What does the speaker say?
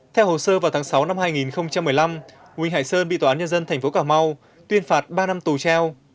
theo hồ sơ vào tháng sáu năm hai nghìn một mươi năm huỳnh hải sơn bị tòa án nhân dân tp cà mau tuyên phạt ba năm tù treo